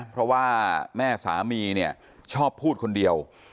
เพราะว่าแม่สามีเนี่ยชอบพูดคนเดียว